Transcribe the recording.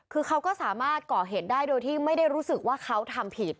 คือเขาก็สามารถก่อเหตุได้โดยที่ไม่ได้รู้สึกว่าเขาทำผิด